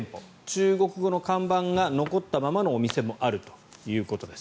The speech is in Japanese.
中国語の看板が残ったままのお店もあるということです。